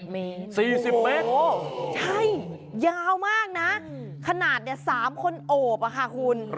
๔๐เมตรโอ้โฮใช่ยาวมากนะขนาดนี้๓คนโอบค่ะคุณ